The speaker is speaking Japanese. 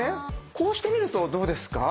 こうして見るとどうですか？